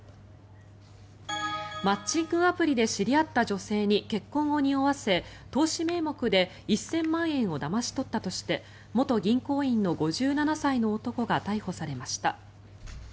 マッチングアプリで知り合った女性に結婚をにおわせ投資名目で１０００万円をだまし取ったとして元銀行員の５７歳の男が逮捕されました。